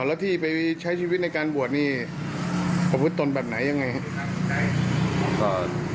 อ่าแล้วที่ไปใช้ชีวิตในการบวชนี่ภพฤตนถแบบไหนยังไงฮะ